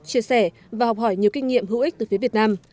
chia sẻ và học hỏi nhiều kinh nghiệm hữu ích từ phía việt nam